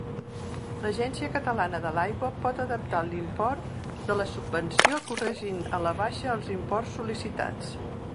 L'Agència Catalana de l'Aigua pot adaptar l'import de la subvenció corregint a la baixa els imports sol·licitats.